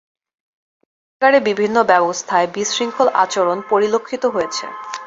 পরীক্ষাগারে বিভিন্ন ব্যবস্থায় বিশৃঙ্খল আচরণ পরিলক্ষিত হয়েছে।